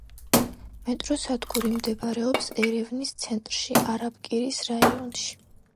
მეტროსადგური მდებარეობს ერევნის ცენტრში, არაბკირის რაიონში.